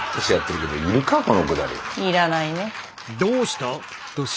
要らないね。